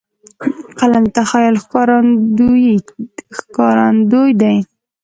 قلم د تخیل ښکارندوی دی